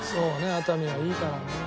熱海はいいからね。